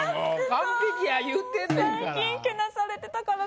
完璧や言うてんねんから。